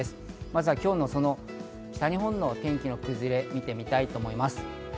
まずは北日本の天気の崩れを見てみたいと思います。